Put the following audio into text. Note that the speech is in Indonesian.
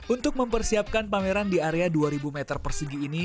untuk mempersiapkan pameran di area dua ribu meter persegi ini